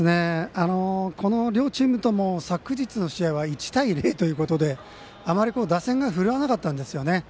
この両チームとも昨日の試合は１対０ということであまり打線が振るわなかったんですよね。